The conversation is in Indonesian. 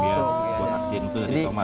buat aksin itu dari tomat